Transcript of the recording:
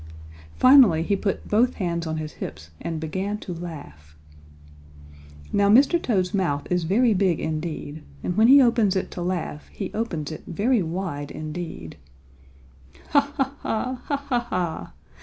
Finally he put both hands on his hips and began to laugh. Now Mr. Toad's mouth is very big indeed, and when he opens it to laugh he opens it very wide indeed. "Ha, ha, ha! Ha, ha, ha!"